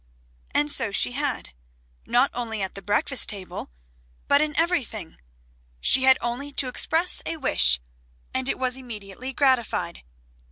And so she had; not only at the breakfast table but in everything. She had only to express a wish and it was immediately gratified.